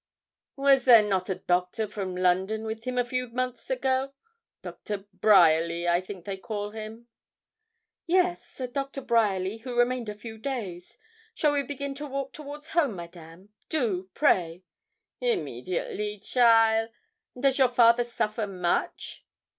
'Was there not a doctor from London with him a few months ago? Dr. Bryerly, I think they call him.' 'Yes, a Doctor Bryerly, who remained a few days. Shall we begin to walk towards home, Madame? Do, pray.' 'Immediately, cheaile; and does your father suffer much?'